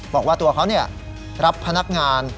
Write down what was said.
บอกว่าตัวเขารับพนักงาน